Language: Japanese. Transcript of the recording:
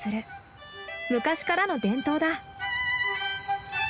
昔からの伝統だ。